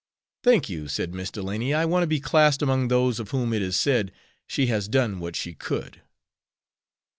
"Thank you," said Miss Delany, "I want to be classed among those of whom it is said, 'She has done what she could.'"